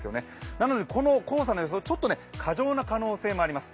なのでこの黄砂の予想、ちょっと過剰な可能性もあります。